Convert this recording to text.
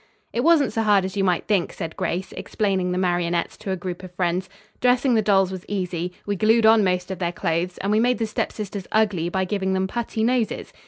"It wasn't so hard as you might think," said Grace, explaining the marionettes to a group of friends. "Dressing the dolls was easy; we glued on most of their clothes, and we made the step sisters ugly by giving them putty noses.